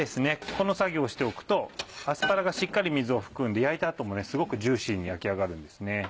この作業をしておくとアスパラがしっかり水を含んで焼いた後もすごくジューシーに焼き上がるんですね。